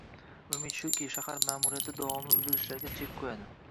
Umid shuki, shahar maʼmuriyati davomli uzilishlarga chek qoʻyadi...